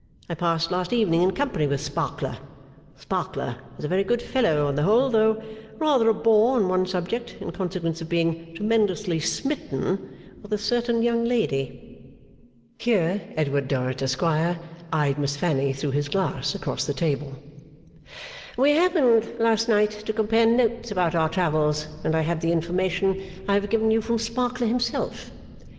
I passed last evening in company with Sparkler. Sparkler is a very good fellow on the whole, though rather a bore on one subject, in consequence of being tremendously smitten with a certain young lady.' Here Edward Dorrit, Esquire, eyed Miss Fanny through his glass across the table. 'We happened last night to compare notes about our travels, and I had the information I have given you from Sparkler himself.